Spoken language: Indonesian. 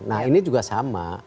nah ini juga sama